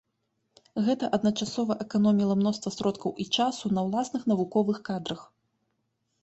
Гэта адначасова эканоміла мноства сродкаў і часу на ўласных навуковых кадрах.